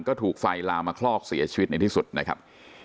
ก็ถูกไฟลามมาคลอกเสียชีวิตในที่สุดนะครับ